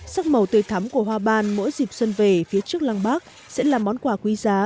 sắc màu tươi thắm của hoa ban mỗi dịp xuân về phía trước lăng bác sẽ là món quà quý giá